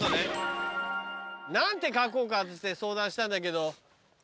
何て書こうかっつって相談したんだけど。